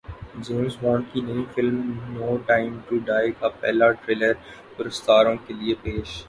James Bond کی نئی film no time to die کا پہلا ٹریلر پرستاروں کے لیے پیش